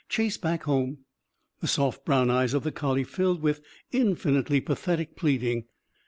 Chase back home!" The soft brown eyes of the collie filled with infinitely pathetic pleading.